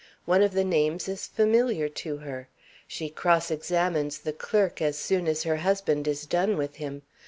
One of the names is familiar to her. She cross examines the clerk as soon as her husband is done with him.